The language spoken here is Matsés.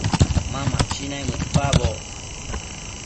Ma machi naimëdpaboc